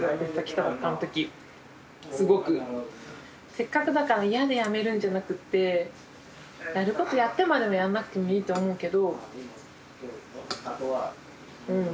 せっかくだから嫌で辞めるんじゃなくてやることやってまではやんなくてもいいとは思うけど。